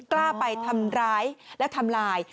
กล้าไปทำร้ายและทำลาย